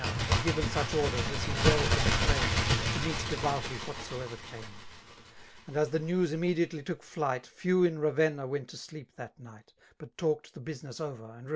U Had given such orders^ a» be well could frame, / To meet devoutly whatsoever caiQe$ And as the news iinmedit^lf took fU^> Few in Ravenna went to ^lo^p that ntgb^ ' But talked the biisi^ess over^ and r«?